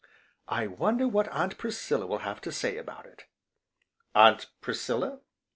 "I wonder what Aunt Priscilla will have to say about it!" "Aunt Priscilla?"